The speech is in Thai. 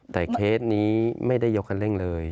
แต่เคสนี้ไม่ได้ยกคันเร่งเลย